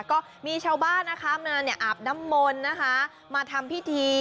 ก็มีชาวบ้านอาบน้ำมนทิพย์มาทำพิธี